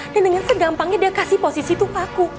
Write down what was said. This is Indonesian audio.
dan dengan segampangnya dia memberikan posisi itu ke aku